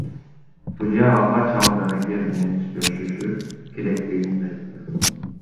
Судья алгач ал дарыгер менен сүйлөшүшү керектигин айтты.